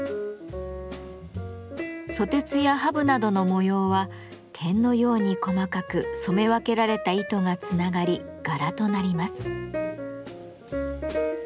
蘇鉄やハブなどの模様は点のように細かく染め分けられた糸がつながり柄となります。